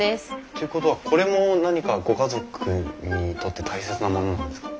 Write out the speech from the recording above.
っていうことはこれも何かご家族にとって大切なものなんですか？